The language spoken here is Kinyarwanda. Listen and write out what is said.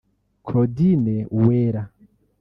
Claudine Uwera